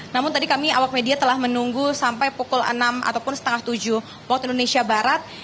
namun tadi kami awak media telah menunggu sampai pukul enam ataupun setengah tujuh waktu indonesia barat